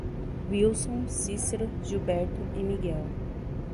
Wilson, Cícero, Gilberto e Miguel